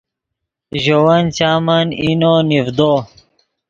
ژے ون چامن اینو نیڤدو